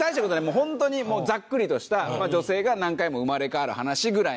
もうホントにざっくりとした女性が何回も生まれ変わる話ぐらいの。